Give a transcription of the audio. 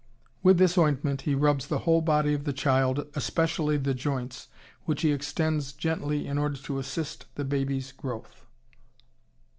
With this ointment he rubs the whole body of the child, especially the joints, which he extends gently in order to assist the baby's growth.